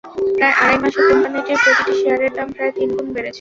প্রায় আড়াই মাসে কোম্পানিটির প্রতিটি শেয়ারের দাম প্রায় তিন গুণ বেড়েছে।